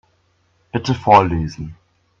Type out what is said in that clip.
Bitte vorlesen.